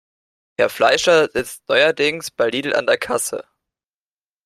Herr Fleischer sitzt neuerdings bei Lidl an der Kasse.